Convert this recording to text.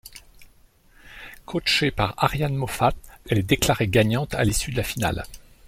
Coachée par Ariane Moffatt, elle est déclarée gagnante à l'issue de la finale.